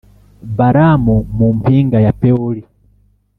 Balamu mu mpinga ya Pewori